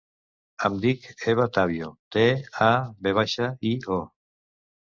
Em dic Eva Tavio: te, a, ve baixa, i, o.